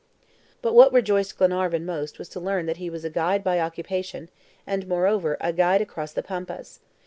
But what rejoiced Glenarvan most was to learn that he was a guide by occupation, and, moreover, a guide across the Pampas.